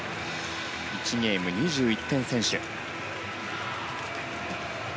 １ゲーム２１点先取。